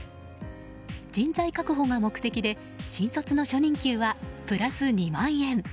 人材確保が目的で新卒の初任給はプラス２万円。